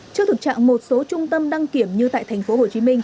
trước thực trạng một số trung tâm đăng kiểm như tại tp hcm